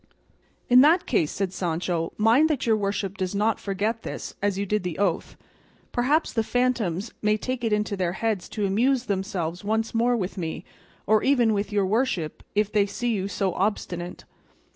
"In that case," said Sancho, "mind that your worship does not forget this as you did the oath; perhaps the phantoms may take it into their heads to amuse themselves once more with me; or even with your worship if they see you so obstinate."